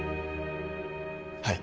はい。